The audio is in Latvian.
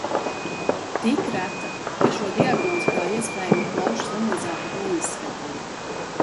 Tik reta, ka šo diagnozi kā iespējamu plaušu slimnīcā pat neizskatīja.